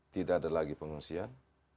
tidak ada lagi pengungsian